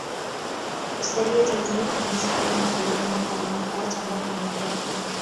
Husalia Tanzania kwa miezi kumi hadi Julai mwaka unaofuata ambapo huingia Kenya